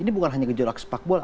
ini bukan hanya gejolak sepak bola